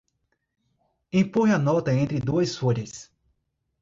Empurre a nota entre duas folhas.